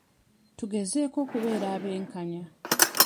Tugezeeko okubeera abenkanya.